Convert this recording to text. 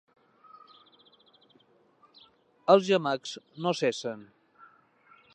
Els gemecs no cessen.